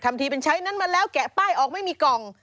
ทำทีเป็นใช้นั้นมาแล้วแกะป้ายออกไม่มีกล่อง